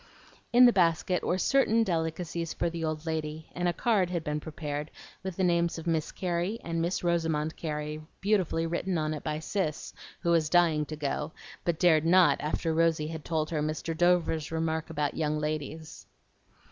In the basket were certain delicacies for the old lady, and a card had been prepared, with the names of Miss Carey and Miss Rosamond Carey beautifully written on it by Cis, who was dying to go, but dared not after Rosy had told her Mr. Dover's remark about young ladies.